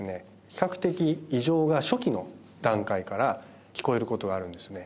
比較的異常が初期の段階からきこえることがあるんですね